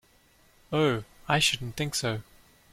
Oh, I shouldn't think so.